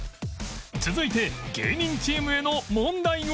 続いて芸人チームへの問題は